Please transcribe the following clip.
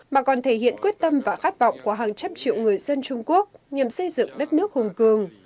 mà còn thể hiện quyết tâm và khát vọng của hàng trăm triệu người dân trung quốc nhằm xây dựng đất nước hùng cường